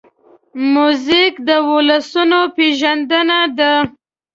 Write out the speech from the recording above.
موزیک د ولسونو پېژندنه ده.